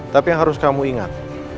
tapi yang harus kamu ingat